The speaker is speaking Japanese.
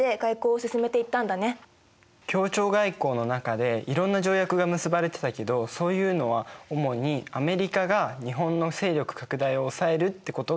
協調外交の中でいろんな条約が結ばれてたけどそういうのは主にアメリカが日本の勢力拡大をおさえるってことが目的だったんだね。